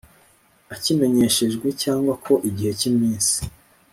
akimenyeshejwe cyangwa ko igihe cy iminsi